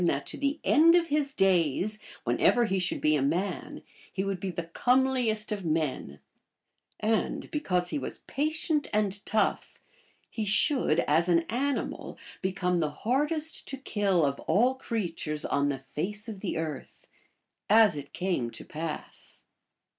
that to the end of his days, whenever he should be a man, he would be the comeliest of men ; and because he was patient and tough, he should, as an animal, become the hardest to kill of all creatures on the face of the earth, as it came to pass.